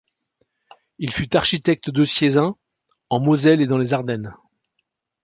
Il fut architecte diocésain en Moselle et dans les Ardennes.